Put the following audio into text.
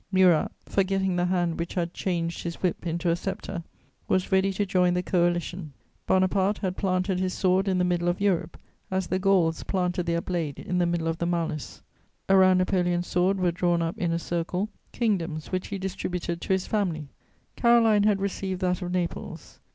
Murat, forgetting the hand which had changed his whip into a sceptre, was ready to join the Coalition. Bonaparte had planted his sword in the middle of Europe, as the Gauls planted their blade in the middle of the mallus; around Napoleon's sword were drawn up in a circle kingdoms which he distributed to his family. Caroline had received that of Naples.